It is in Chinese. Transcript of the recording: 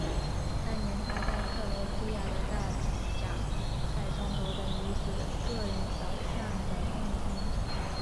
当年她在克罗地亚的大奖赛中夺得女子个人小项的冠军。